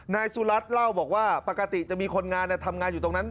นายสุรัตน์เล่าบอกว่าปกติจะมีคนงานทำงานอยู่ตรงนั้น